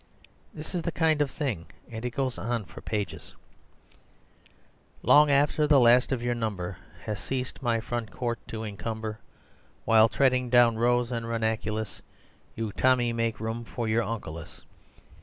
This is the kind of thing, and it goes on for pages: "Long after the last of your number Has ceased my front court to encumber While, treading down rose and ranunculus, You Tommy make room for your uncle us!